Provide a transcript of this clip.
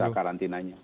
untuk masa karantinanya